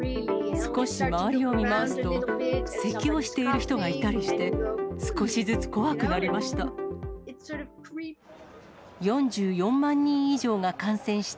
少し周りを見回すと、せきをしている人がいたりして、少しずつ怖くなりました。